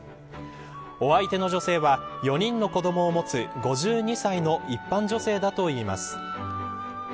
お相手の女性は４人の子どもを持つ５２歳の一般女性だといいます。